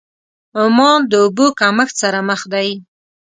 عمان د اوبو کمښت سره مخ دی.